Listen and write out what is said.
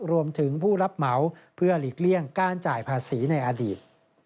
รวมถึงผู้รับเหมาเพื่อหลีกเลี่ยงการจ่ายภาษีในอดีต